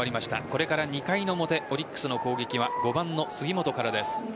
これから２回の表オリックスの攻撃は５番の杉本からです。